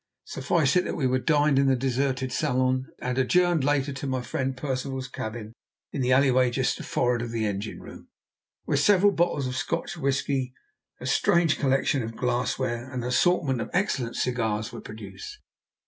Suffice it that we dined in the deserted saloon, and adjourned later to my friend Percival's cabin in the alley way just for'ard of the engine room, where several bottles of Scotch whisky, a strange collection of glass ware, and an assortment of excellent cigars, were produced.